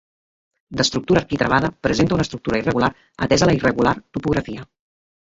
D'estructura arquitravada, presenta una estructura irregular atès a la irregular topografia.